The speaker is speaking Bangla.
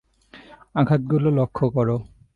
আঘাতগুলো লক্ষ্য করো।